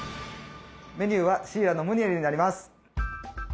メニューはシイラのムニエルになります。